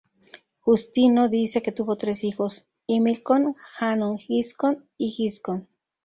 Justino dice que tuvo tres hijos: Himilcón, Hannón Giscón y Giscón.